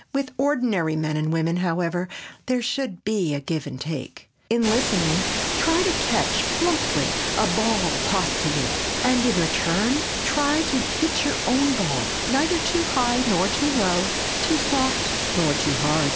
With ordinary men and women, however, there should be give and take. In listening, try to catch plumply a ball tossed to you and in return try to pitch your own ball neither too high nor too low, too soft nor too hard.